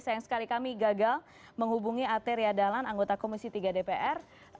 sayang sekali kami gagal menghubungi ate ria dalan anggota komisi tiga dpr